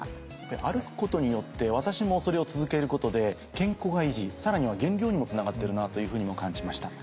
歩くことによって私もそれを続けることで健康が維持さらには減量にもつながってるなというふうにも感じました。